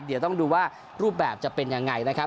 เดี๋ยวต้องดูว่ารูปแบบจะเป็นยังไงนะครับ